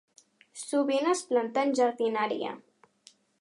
Sovint es planta en jardineria.